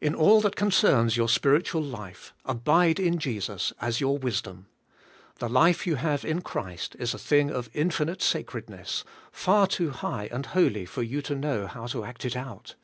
In all that concerns your spiritual life^ abide in Jesus as your wisdom. The life you have in Christ is a thing of infinite sacredness, far too high and holy for you to know how to act it out.